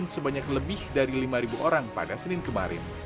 sebanyak lebih dari lima orang pada senin kemarin